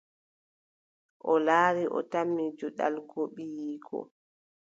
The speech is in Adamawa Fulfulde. O laari, o tammi juɗal goo, ɓiyiiko ;